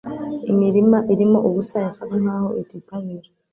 Imirima irimo ubusa yasaga nkaho ititabira